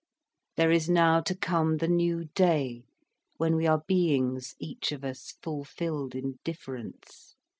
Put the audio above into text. There is now to come the new day, when we are beings each of us, fulfilled in difference.